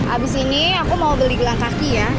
abis ini aku mau beli gelang kaki ya